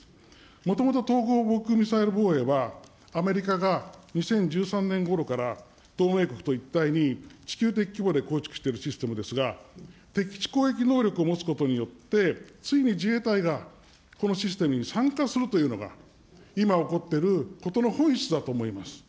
もともと統合防空ミサイル防衛は、アメリカが２０１３年ごろから同盟国と一体に地球的規模で構築しているシステムですが、敵基地攻撃能力を持つことによって、ついに自衛隊がこのシステムに参加するというのが、今起こっていることの本質だと思います。